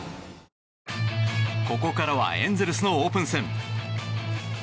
ここからはエンゼルスのオープン戦。